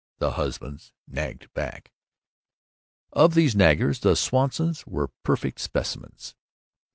The husbands nagged back. Of these naggers the Swansons were perfect specimens.